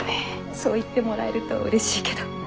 そう言ってもらえるとうれしいけど。